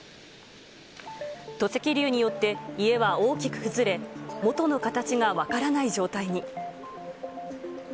土石流によって家は大きく崩れ、元の形が分からない状態に。